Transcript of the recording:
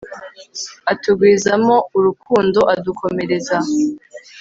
atugwizamo urukundo, adukomereza